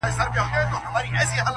په خپل نوبت کي هر یوه خپلي تیارې راوړي٫